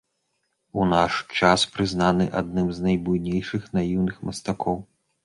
У наш час прызнаны адным з найбуйнейшых наіўных мастакоў.